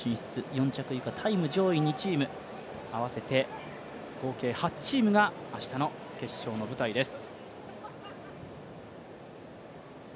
４着以下、タイム上位２チーム合わせて合計８チームが明日の決勝の舞台です。